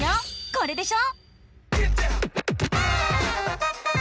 これでしょ？